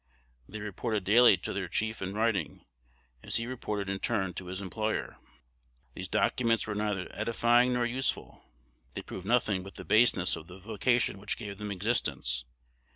They reported daily to their chief in writing, as he reported in turn to his employer. These documents are neither edifying nor useful: they prove nothing but the baseness of the vocation which gave them existence.